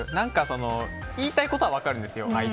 言いたいことは分かるんですよ